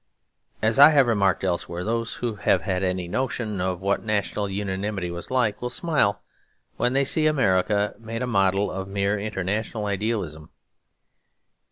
As I have remarked elsewhere, those who have any notion of what that national unanimity was like will smile when they see America made a model of mere international idealism.